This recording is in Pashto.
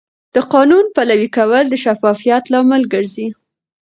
د قانون پلي کول د شفافیت لامل ګرځي.